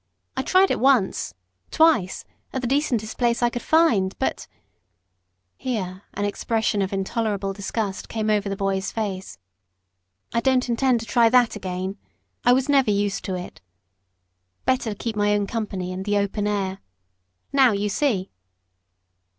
I tried it once twice at the decentest place I could find, but " here an expression of intolerable disgust came over the boy's face "I don't intend to try that again. I was never used to it. Better keep my own company and the open air. Now you see."